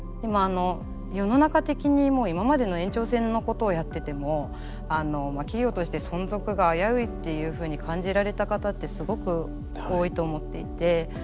今あの世の中的にもう今までの延長線のことをやってても企業として存続が危ういっていうふうに感じられた方ってすごく多いと思っていて。